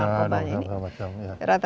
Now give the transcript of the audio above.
narkobanya dan semacam semacam ya